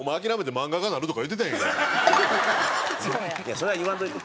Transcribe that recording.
それは言わんといて。